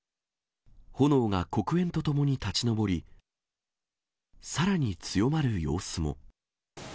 炎が黒煙とともに立ち上り、さらに強まる様子も。